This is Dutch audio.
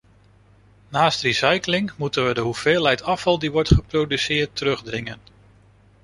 Naast recycling moeten we de hoeveelheid afval die wordt geproduceerd terugdringen.